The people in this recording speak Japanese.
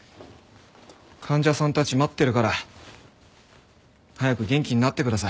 患者さんたち待ってるから早く元気になってください。